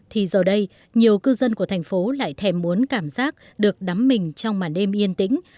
thì giờ đây nhiều cư dân của thành phố lại thèm muốn cảm giác được đắm mình trong màn đêm yên tĩnh